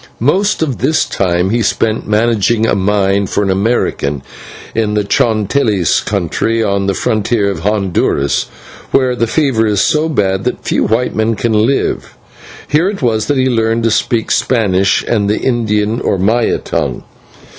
Most of this time he spent managing a mine for an American, in the Chontales country, on the frontier of Honduras, where the fever is so bad that few white men can live. Here it was that he learned to speak Spanish and the Indian or Maya tongue.